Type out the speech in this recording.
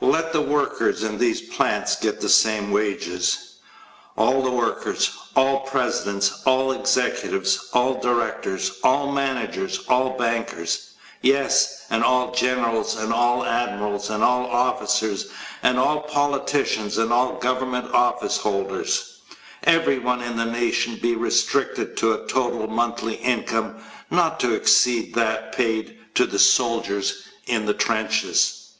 Let the workers in these plants get the same wages all the workers, all presidents, all executives, all directors, all managers, all bankers yes, and all generals and all admirals and all officers and all politicians and all government office holders everyone in the nation be restricted to a total monthly income not to exceed that paid to the soldier in the trenches!